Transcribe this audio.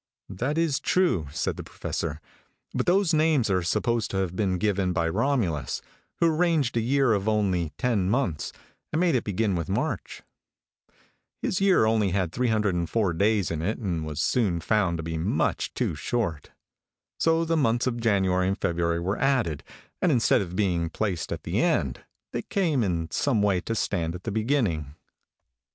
"That is true," said the Professor; "but those names are supposed to have been given by Romulus, who arranged a year of only ten months, and made it begin with March. His year only had 304 days in it, and was soon found to be much too short. So the months of January and February were added, and instead of being placed at the end, they came in some way to stand at the beginning."